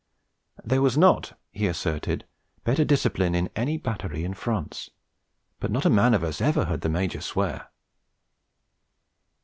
'There was not,' he asserted, 'better discipline in any battery in France. But not a man of us ever heard the Major swear.'